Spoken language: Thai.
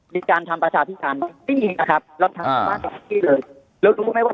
แล้วทำประชาธิภัณฑ์ทั้งที่เลยแล้วรู้ไหมว่า